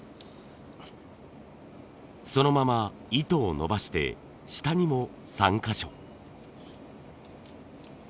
そのまま糸を伸ばして下にも３か所。